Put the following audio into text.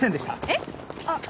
えっ？